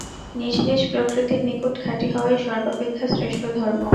নিজ নিজ প্রকৃতির নিকট খাঁটি হওয়াই সর্বাপেক্ষা শ্রেষ্ঠ ধর্ম।